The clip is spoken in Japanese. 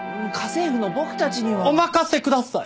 お任せください。